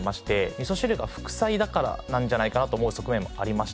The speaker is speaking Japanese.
味噌汁が副菜だからなんじゃないかなと思う側面もありまして。